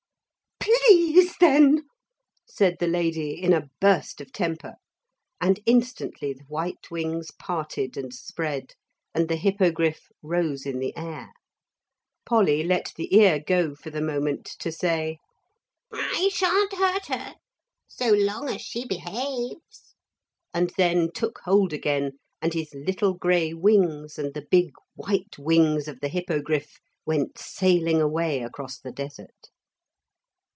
'Please then,' said the lady in a burst of temper, and instantly the white wings parted and spread and the Hippogriff rose in the air. Polly let the ear go for the moment to say: 'I shan't hurt her so long as she behaves,' and then took hold again and his little grey wings and the big white wings of the Hippogriff went sailing away across the desert.